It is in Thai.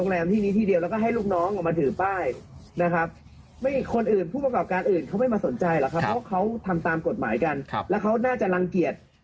ขอเดินหน้าสู้เพื่อความถูกต้องต่อไปค่ะ